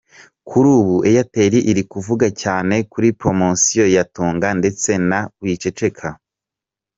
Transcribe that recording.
Kuri ubu Airtel iri kuvuga cyane kuri poromosiyo ya Tunga ndetse na Wiceceka.